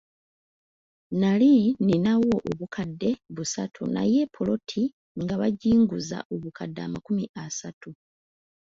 Nnali ninawo obukadde busatu naye ppoloti nga baginguza obukadde amakumi asatu.